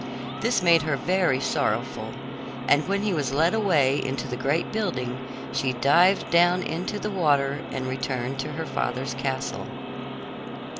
This made her very sorrowful, and when he was led away into the great building, she dived down into the water and returned to her father's castle.